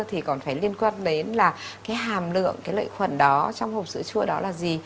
thì còn phải liên quan đến là hàm lượng lợi khuẩn đó trong hộp sữa chua đó là gì